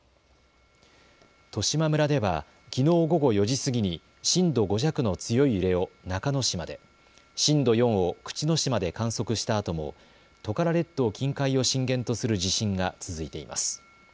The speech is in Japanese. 十島村ではきのう午後４時過ぎに震度５弱の強い揺れを中之島で、震度４を口之島で観測したあともトカラ列島近海を震源とする地震が続いています。